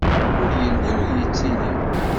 Ur yelli ur yettili!